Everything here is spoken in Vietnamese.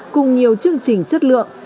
cùng nhiều chương trình chất lượng